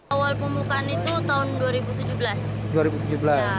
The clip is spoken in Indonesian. awal pembukaan itu tahun dua ribu tujuh belas